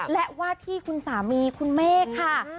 และวาดที่คุณสามีคุณเมฆค่ะ